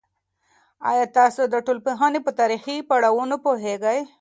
ایا تاسو د ټولنپوهنې په تاریخي پړاوونو پوهیږئ؟